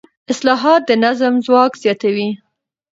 اصلاحات د نظام ځواک زیاتوي